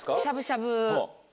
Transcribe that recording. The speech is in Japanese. しゃぶしゃぶ。